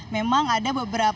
memang ada beberapa